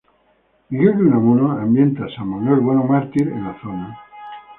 Miguel de Unamuno ambienta "San Manuel Bueno, mártir" en la zona.